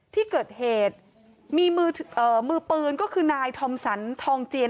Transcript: ที่เกิดเหตุมีมือปืนก็คือนายทอมสันทองเจียน